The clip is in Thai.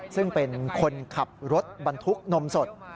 ซึ่งเป็นคนขับรถบรรทุกนมสด